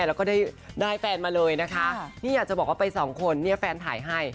แล้วก็ได้แฟนมาเลยนะคะนี่อยากจะบอกว่าไปสองคนเนี่ยแฟนถ่ายให้